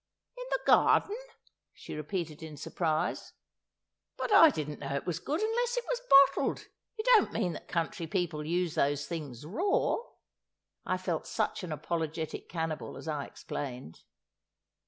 "In the garden?" she repeated in surprise. "But I didn't know it was good unless it was bottled! You don't mean that country people use those things raw?" I felt such an apologetic cannibal as I explained!